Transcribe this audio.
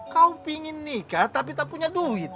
kau ingin nikah tapi tak punya duit